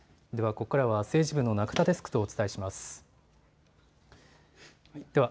ここからは政治部の中田デスクとお伝えします。